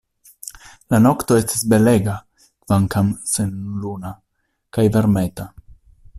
La nokto estis belega, kvankam senluna, kaj varmeta.